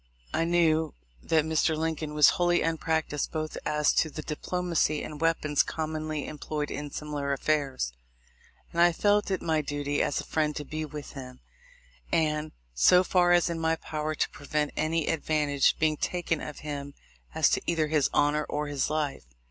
I knew that Mr. Lincoln was wholly unpractised both as to the diplomacy and weapons commonly employed in similar affairs ; and I felt it my duty, as a friend, to be with him, and, so far as in my power, to prevent any advantage being taken of him as to either his honor or his life.